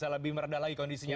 lebih meredah lagi kondisinya